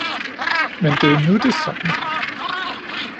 Men det er nu det samme.